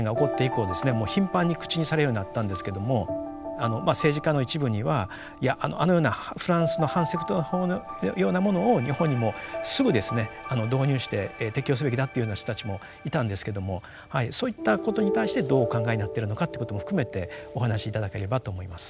もう頻繁に口にされるようになったんですけども政治家の一部には「いやあのようなフランスの反セクト法のようなものを日本にもすぐですね導入して適用すべきだ」っていうような人たちもいたんですけどもはいそういったことに対してどうお考えになってるのかってことも含めてお話し頂ければと思います。